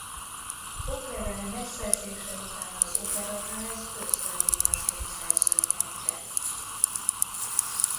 Oklevele megszerzése után az Operaház ösztöndíjasként szerződtette.